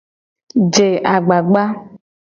Je agbagba.